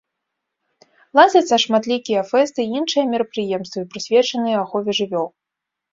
Ладзяцца шматлікія фэсты і іншыя мерапрыемствы, прысвечаныя ахове жывёл.